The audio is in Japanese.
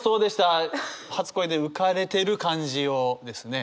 初恋で浮かれてる感じをですね